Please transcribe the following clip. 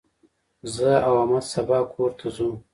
زه او احمد سبا کور ته ځو.